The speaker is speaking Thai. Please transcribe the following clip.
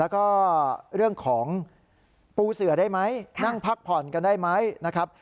แล้วก็เรื่องของปูเสือได้ไหมนั่งพักผ่อนกันได้ไหมนะครับ